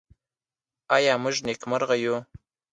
آیا موږ نېکمرغه یو؟